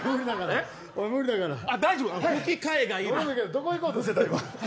どこ行こうとしてた、今。